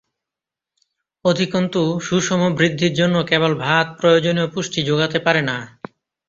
অধিকন্তু, সুষম বৃদ্ধির জন্য কেবল ভাত প্রয়োজনীয় পুষ্টি যোগাতে পারে না।